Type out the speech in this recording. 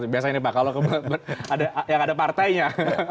biasanya ini pak kalau yang ada partainya